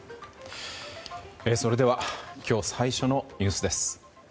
それでは今日最初のニュースです。